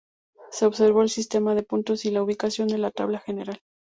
Se observó el sistema de puntos y la ubicación en la Tabla General.